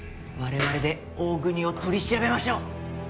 我々で大國を取り調べましょう！